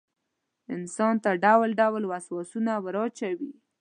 انسان ته ډول ډول وسواسونه وراچوي.